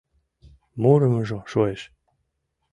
Мурымыжо шуэш.